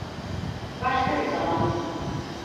Başka bir zaman.